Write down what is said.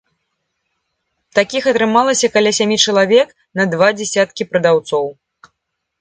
Такіх атрымалася каля сямі чалавек на два дзесяткі прадаўцоў.